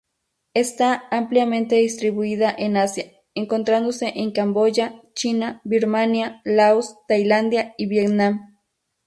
Está ampliamente distribuida en Asia, encontrándose en Camboya, China, Birmania, Laos, Tailandia y Vietnam.